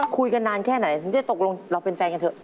คุยกันนานแค่ไหนถึงจะตกลงเราเป็นแฟนกันเถอ